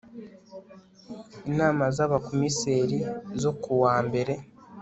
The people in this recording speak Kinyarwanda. inama z abakomiseri zo kuwa mbere